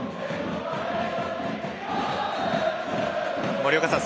森岡さん